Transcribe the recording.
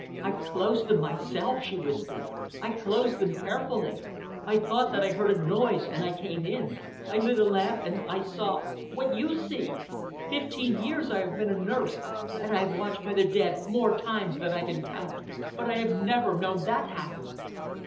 "I closed them myself," she whispered. "I closed them carefully. I thought that I heard a noise and I came in. I lit a lamp and I saw what you can see! Fifteen years I have been a nurse, and I have watched by the dead more times than I can count. But I have never known that happen!"